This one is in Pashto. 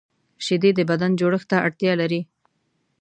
شیدې د بدن جوړښت ته اړتیا لري